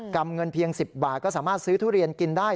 ำเงินเพียง๑๐บาทก็สามารถซื้อทุเรียนกินได้